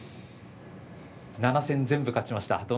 ７戦全部勝ちました